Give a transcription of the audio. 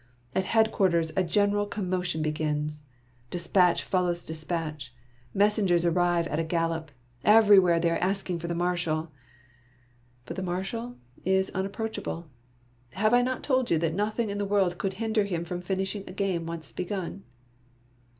At headquarters a general commotion begins. Despatch follows despatch. 14 Monday Tales. Messengers arrive at a gallop. Everywhere they are asking for the Marshal. But the Marshal is unapproachable. Have I not told you that nothing in the world could hinder him from finishing a game once begun?